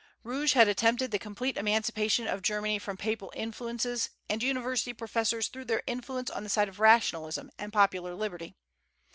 Rouge had attempted the complete emancipation of Germany from Papal influences, and university professors threw their influence on the side of rationalism and popular liberty.